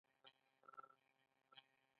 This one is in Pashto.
د ګلپي شیره د څه لپاره وکاروم؟